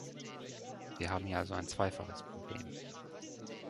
Wir haben hier also ein zweifaches Problem.